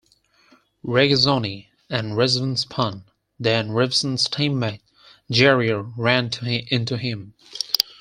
Regazzoni and Resvon spun, then Revson's team-mate, Jarier ran into him.